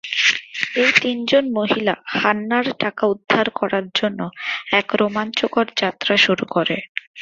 এই তিন জন মহিলা হান্নার টাকা উদ্ধার করার জন্য এক রোমাঞ্চকর যাত্রা শুরু করে।